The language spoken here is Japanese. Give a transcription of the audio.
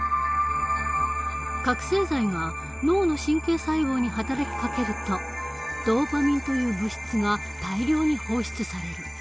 覚醒剤が脳の神経細胞に働きかけるとドーパミンという物質が大量に放出される。